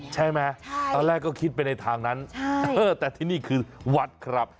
ใช่ไหมตอนแรกก็คิดไปในทางนั้นแต่ที่นี่คือวัดครับ